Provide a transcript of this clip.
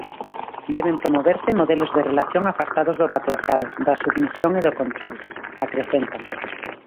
Deben promoverse modelos de relación afastados do patriarcado, da submisión e do control, acrecentan.